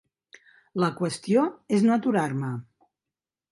La qüestió és no aturar-me.